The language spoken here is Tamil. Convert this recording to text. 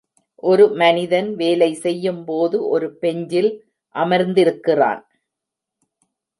ஒரு மனிதன் வேலை செய்யும் போது ஒரு பெஞ்சில் அமர்ந்திருக்கிறான்.